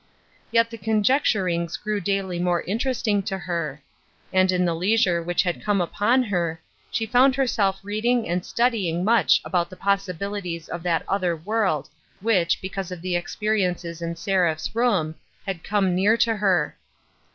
Yet the conjecturings grew daily more interesting to her. And in the leisure which had come upon her, she found herself reading and studying much about the possibilities of that other world which, because of the experiences in Seraph's room, had come near to her.